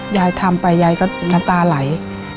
ยายทำไปยายก็น้ำตาไหล